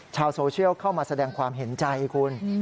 ชาวโซเชียลเข้ามาแสดงความเห็นใจคุณ